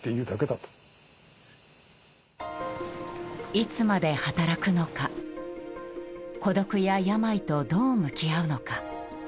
いつまで働くのか孤独や病と、どう向き合うのか。